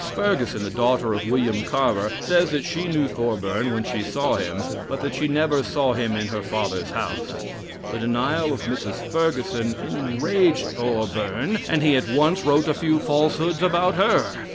Ferguson, the daughter of William Carver, says that she knew Thorburn when she saw him, but that she never saw him in her father's house. The denial of Mrs. Ferguson enraged Thorburn, and he at once wrote a few falsehoods about her.